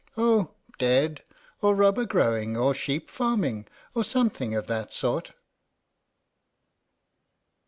Oh, dead, or rubber growing or sheep farming or something of that sort."